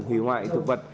hủy hoại thực vật